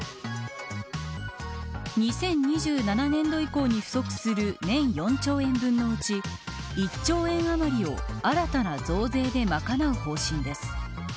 ２０２７年度以降に不足する年４兆円分のうち１兆円余りを、新たな増税で賄う方針です。